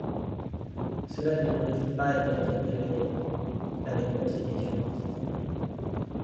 Cela ne devrait-il pas être notre priorité ? La réponse est bien sûr positive.